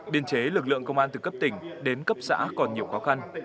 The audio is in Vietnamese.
biên chế lực lượng công an từ cấp tỉnh đến cấp xã còn nhiều khó khăn